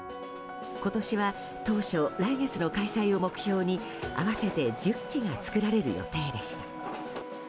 今年は当初来月の開催を目標に合わせて１０基が作られる予定でした。